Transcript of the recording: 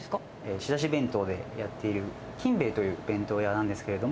仕出し弁当でやっている、金兵衛という弁当屋なんですけれども。